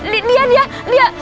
dia dia dia